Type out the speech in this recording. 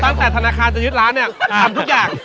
ตั้งแต่ธนาคารจะยึดร้านเนี่ยทำทุกอย่าง